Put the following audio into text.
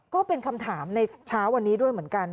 ก็เป็นคำถามในเช้าวันนี้ด้วยเหมือนกัน